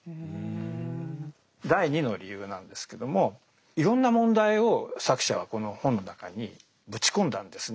第２の理由なんですけどもいろんな問題を作者はこの本の中にぶち込んだんですね。